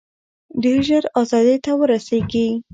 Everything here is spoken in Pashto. ډېر ژر آزادۍ ته ورسیږي.